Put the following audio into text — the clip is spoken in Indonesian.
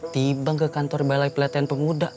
tiba ke kantor balai pelatihan pemuda